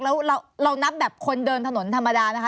แล้วเรานับแบบคนเดินถนนธรรมดานะคะ